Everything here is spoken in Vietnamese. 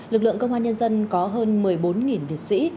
lực lượng công an nhân dân có hơn một mươi bốn liệt sĩ